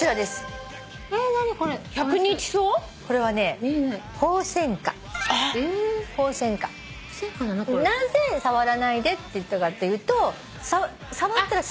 これはね「ホウセンカ」なぜ触らないでって言ったかっていうと触ったら。